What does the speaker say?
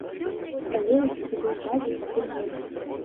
Праверыць, ці вы ў базе, пакуль нельга.